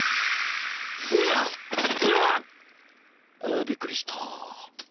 あびっくりした。